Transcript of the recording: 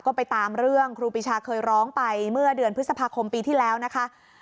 ก็ไปตามเรื่องครูปีชาเคยร้องไปเมื่อเดือนพฤษภาคมปีที่แล้วนะคะ